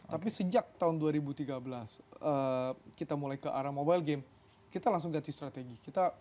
tapi sejak tahun dua ribu tiga belas kita mulai ke arah mobile game kita langsung ganti strategi